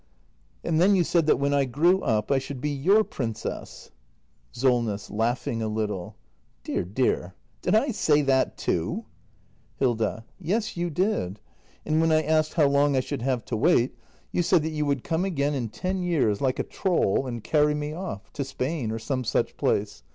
And then you said that when I grew up I should be your princess. SOLNESS. [Laughing a little.] Dear, dear — did I say that too ? Hilda. Yes, you did. And when I asked how long I should have to wait, you said that you would come again in ten years — like a troll — and carry me off — to Spain or some such place.